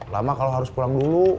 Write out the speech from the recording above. lama kalau harus pulang dulu